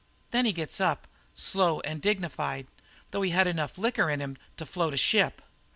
"Then he gets up, slow and dignified, though he had enough liquor in him to float a ship.